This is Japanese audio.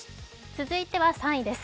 続いては３位です。